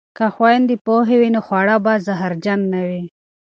که خویندې پوهې وي نو خواړه به زهرجن نه وي.